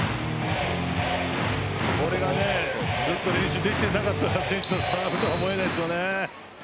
これがずっと練習できていなかった選手のサーブとは思えません。